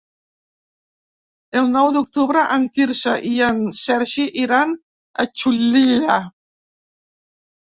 El nou d'octubre en Quirze i en Sergi iran a Xulilla.